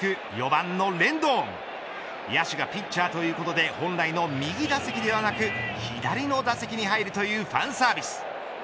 ４番のレンドン野手がピッチャーということで本来の右打席ではなく左の打席に入るというファンサービス。